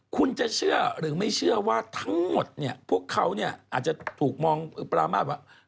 คุณจะเชื่อหรือไม่เชื่อว่าทั้งหมดเนี่ยพวกเขาเนี่ยอาจจะถูกมองปรามาทว่า